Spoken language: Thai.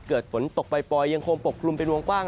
เกิดฝนตกปลายยังโคมปลกลุ่มไปห่วงกว้าง